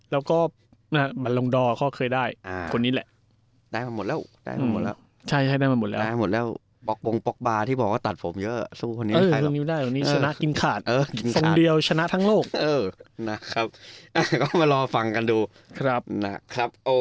แล้วก็มันลงดอเค้าเคยได้